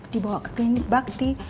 dibawa ke klinik bakti